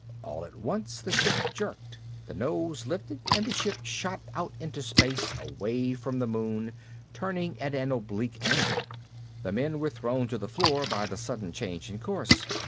All at once the ship jerked. The nose lifted and the ship shot out into space, away from the moon, turning at an oblique angle. The men were thrown to the floor by the sudden change in course.